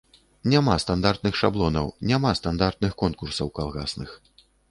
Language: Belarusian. Няма стандартных шаблонаў, няма стандартных конкурсаў калгасных.